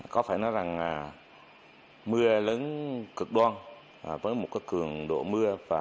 có phải nói rằng mưa lớn cực đoan với một cường độ mưa